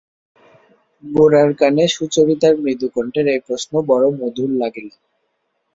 গোরার কানে সুচরিতার মৃদু কণ্ঠের এই প্রশ্ন বড়ো মধুর লাগিল।